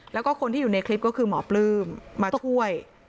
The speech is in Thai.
แล้วก็คนที่อยู่ในคลิปก็คือหมอปลื้มมาช่วย